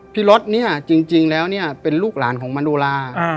รถเนี่ยจริงแล้วเนี่ยเป็นลูกหลานของมโนลา